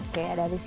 oke ada di sisi